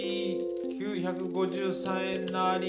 ９５３円なり。